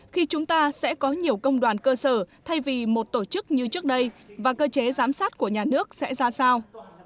khi chúng ta sẽ có nhiều công đoàn cơ sở thay vì một tổ chức như trước đây và cơ chế giám sát của nhà nước sẽ ra sao